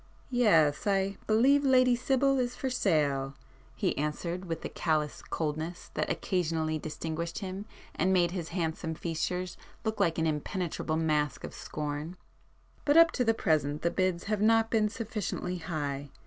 "Yes—I believe Lady Sibyl is for sale,"—he answered with the callous coldness that occasionally distinguished him and made his handsome features look like an impenetrable mask of scorn—"But up to the present the bids have not been sufficiently high.